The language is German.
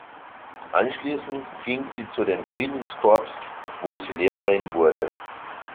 Anschließend ging sie zu den Friedenscorps, wo sie Lehrerin wurde.